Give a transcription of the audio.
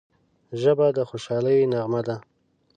ژبه د خوشحالۍ نغمه ده